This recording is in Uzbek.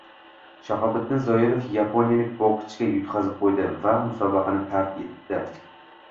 Shahobiddin Zoirov yaponiyalik bokschiga yutqazib qo‘ydi va musobaqani tark etdi